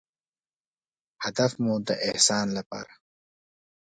هدف مو د احسان لپاره